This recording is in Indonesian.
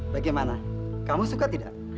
bagaimana kamu suka tidak